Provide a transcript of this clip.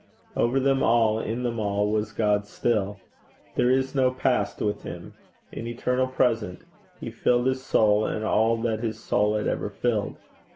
Over them all, in them all, was God still. There is no past with him. An eternal present, He filled his soul and all that his soul had ever filled.